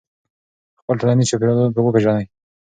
خپل ټولنیز چاپېریال وپېژنئ.